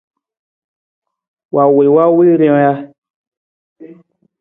Wa wii wii ron ja?